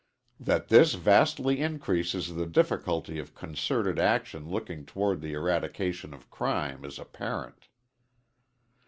That this vastly increases the difficulty of concerted action looking toward the eradication of crime, is apparent.